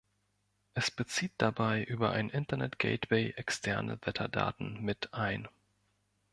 Es bezieht dabei über ein Internet Gateway externe Wetterdaten mit ein.